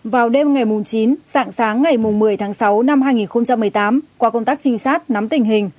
vào đêm ngày chín dạng sáng ngày một mươi tháng sáu năm hai nghìn một mươi tám qua công tác trinh sát nắm tình hình